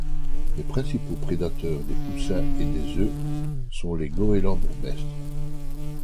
Les principaux prédateurs des poussins et des œufs sont les goélands bourgmestres.